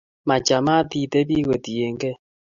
Machamat itebi kotiengee